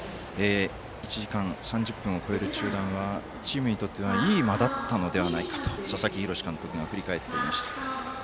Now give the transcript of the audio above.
１時間３０分を超える中断はチームにとってはいい間だったのではないかと佐々木洋監督は振り返っていました。